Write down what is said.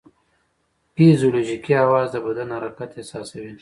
فزیولوژیکي حواس د بدن حرکت احساسوي.